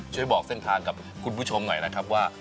ช่วยบอกเส้นทางกับคุณผู้ชมหน่อยนะครับว่า